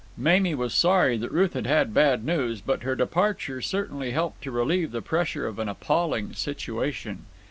Mamie was sorry that Ruth had had bad news, but her departure certainly helped to relieve the pressure of an appalling situation.